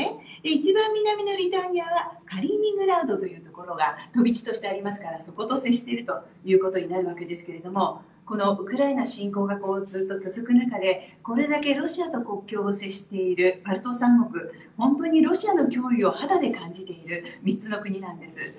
一番南のリトアニアはカリーニングラードというのが飛び地としてありますからそこと接していることになるんですがウクライナ侵攻がずっと続く中でこれだけロシアと国境を接しているバルト三国はロシアの脅威を肌で感じている３つの国なんです。